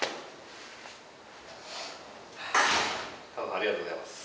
ありがとうございます。